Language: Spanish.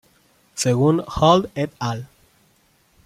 Según Hall et al.